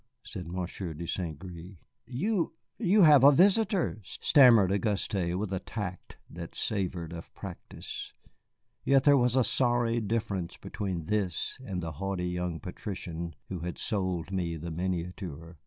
said Monsieur de St. Gré. "You you have a visitor!" stammered Auguste, with a tact that savored of practice. Yet there was a sorry difference between this and the haughty young patrician who had sold me the miniature.